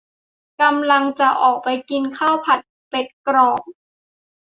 กำลังจะออกไปกินข้าวผัดเป็ดกรอบ